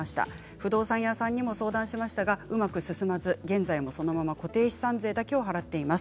不動産屋さんにも相談しましたがうまく進まず現在もそのまま固定資産税を払っています。